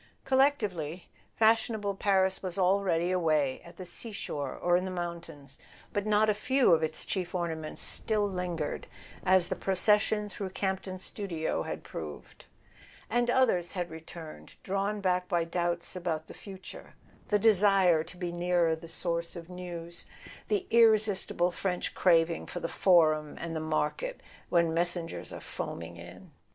Collectively, fashionable [ 84 ] A SON AT THE FRONT Paris was already away, at the seashore or in the moun¬ tains, but not a few of its chief ornaments still lingered, as the procession through Campton's studio had proved; and others had returned drawn back by doubts about the future, the desire to be nearer the source of news, the irresistible French craving for the forum and the market when messengers are foaming in.